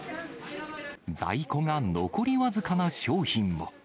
在庫が残り僅かな商品も。